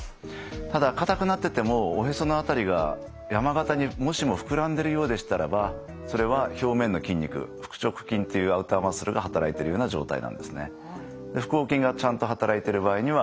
ただ硬くなっててもおへその辺りが山形にもしも膨らんでるようでしたらばそれは表面の筋肉腹直筋っていうアウターマッスルが働いてるような状態なんですね。